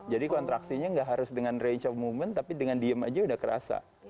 jadi kontraksinya nggak harus dengan range of movement tapi dengan diem aja udah kerasa